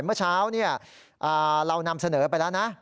เมื่อเช้าเรานำเสนอไปแล้วนะ